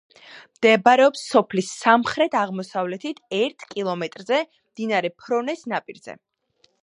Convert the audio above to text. მდებარეობს სოფლის სამხრეთ-აღმოსავლეთით ერთ კილომეტრზე, მდინარე ფრონეს ნაპირზე.